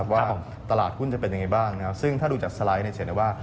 ว่าตลาดหุ้นจะเป็นยังไงบ้างซึ่งถ้าดูจากสไลด์จะเห็นได้ว่า